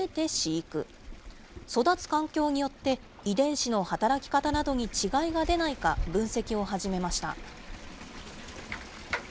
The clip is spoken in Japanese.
育つ環境によって遺伝子の働き方などに違いが出ないか、分析を始めました。